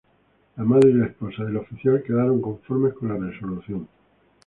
La madre y la esposa del oficial quedaron conformes con la resolución.